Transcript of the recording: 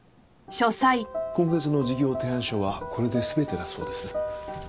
今月の事業提案書はこれで全てだそうです。